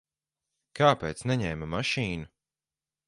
Kāpēc neņēma mašīnu?